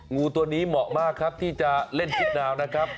งูตัวนี้เหมาะมากครับที่จะเล่นทิศนาวนะครับ